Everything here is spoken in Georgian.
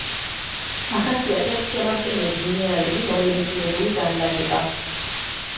ახასიათებს შემადგენელი მინერალების ორიენტირებული განლაგება.